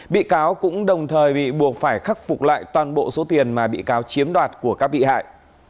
bị cáo cũng đồng thời bị buộc phải khắc phục lại toàn bộ số tiền mà bị cáo chiếm đoạt của các bị hại